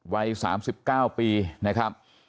วัย๓๙ปีนะครับ